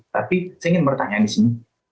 tapi saya ingin bertanya disini